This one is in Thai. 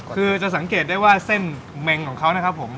คือจะสังเกตได้ว่าเส้นเมงของเขานะครับผม